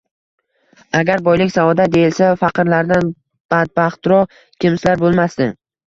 Agar boylik saodat deyilsa, faqirlardan badbaxtroq kimsalar bo'lmasdi.